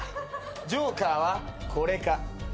ジョーカーはこれか？